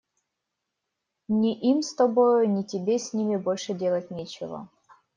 Ни им с тобою, ни тебе с ними больше делать нечего.